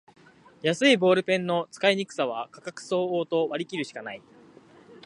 安いボールペンの使いにくさは価格相応と割りきるしかない